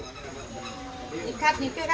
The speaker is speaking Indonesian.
ikat ikat kan susah dan ada tempatnya